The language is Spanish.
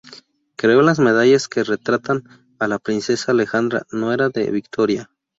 Creó las medallas que retratan a la princesa Alejandra, nuera de Victoria.